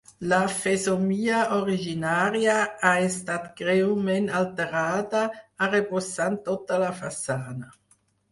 La fesomia originària ha estat greument alterada, arrebossant tota la façana.